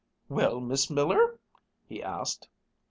"Well, Miss Miller ?" he asked.